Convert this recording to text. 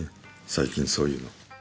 最近そういうの。